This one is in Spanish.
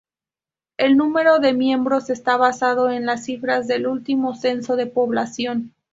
El número de miembros está basado en las cifras del último censo de población.